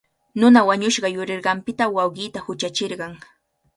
Nuna wañushqa yurinqanpita wawqiita huchachirqan.